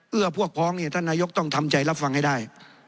พวกพ้องเนี่ยท่านนายกต้องทำใจรับฟังให้ได้